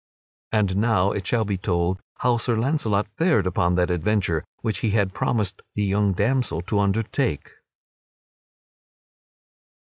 And now it shall be told how Sir Launcelot fared upon that adventure which he had promised the young damsel to undertake.